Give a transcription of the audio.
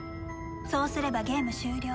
そうすればゲーム終了。